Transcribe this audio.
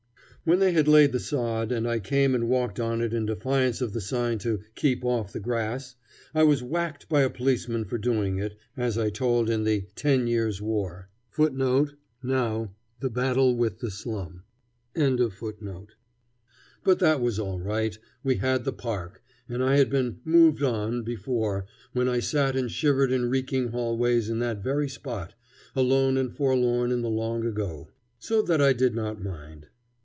When they had laid the sod, and I came and walked on it in defiance of the sign to "keep off the grass," I was whacked by a policeman for doing it, as I told in the "Ten Years' War." [Footnote: Now, "The Battle with the Slum."] But that was all right. We had the park. And I had been "moved on" before when I sat and shivered in reeking hallways in that very spot, alone and forlorn in the long ago; so that I did not mind.